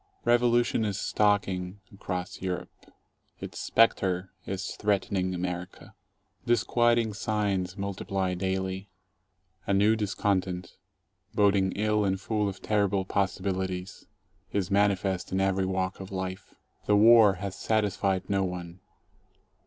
Revolution is stalking across Europe. Its spectre is threatening America. Disquieting signs multiply daily. A new discontent, boding ill and full of terrible possibilities, is manifest in every walk of life. The war has satisfied no one.